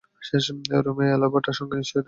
রোমে এলবার্টার সঙ্গে নিশ্চয়ই দেখা করব।